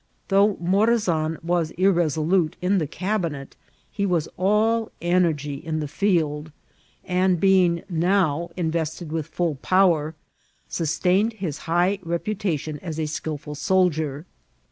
Though Morazan was irresolute in the cabinet, he was all energy in the field; and being now invested with fell power, sustained his high iqputaticm as a skil frd soldier.